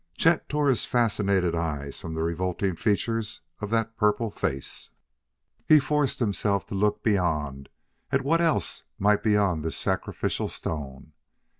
Chet tore his fascinated eyes from the revolting features of that purple face; he forced himself to look beyond at what else might be on this sacrificial stone.